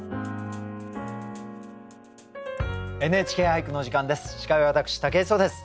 「ＮＨＫ俳句」の時間です。